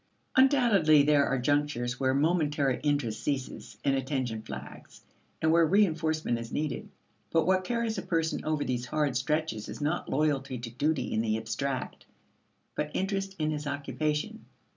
Undoubtedly there are junctures where momentary interest ceases and attention flags, and where reinforcement is needed. But what carries a person over these hard stretches is not loyalty to duty in the abstract, but interest in his occupation.